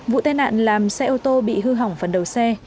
vụ tai nạn làm xe ô tô bị hư hỏng phần đầu xe